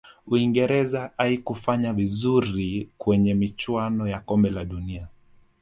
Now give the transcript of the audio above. uingereza haikufanya vizuri kwenye michuano ya kombe la dunia